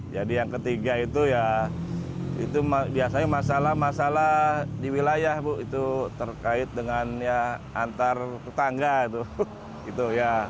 jadi yang ketiga itu ya itu biasanya masalah masalah di wilayah itu terkait dengan ya antar tangga itu